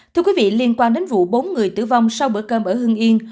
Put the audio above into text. thưa quý vị liên quan đến vụ bốn người tử vong sau bữa cơm ở hương yên